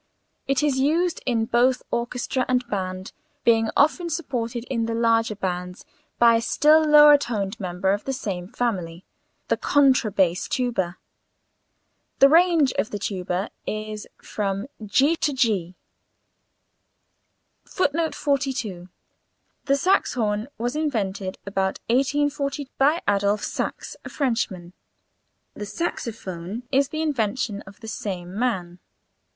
It is used in both orchestra and band, being often supported in the larger bands by a still lower toned member of the same family the contra bass tuba. The range of the tuba is from [Illustration: GG] to [Illustration: g']. [Footnote 42: The saxhorn was invented about 1840 by Adolphe Sax, a Frenchman. The saxophone is the invention of the same man.